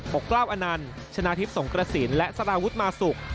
กล้าวอนันต์ชนะทิพย์สงกระสินและสารวุฒิมาสุก